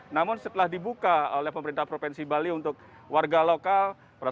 namun setelah dibuka oleh pemerintah provinsi bali untuk warga lokal